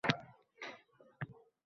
Ro'yxatga qo'shildi